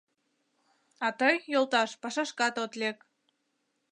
А тый, йолташ, пашашкат от лек.